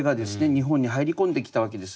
日本に入り込んできたわけです。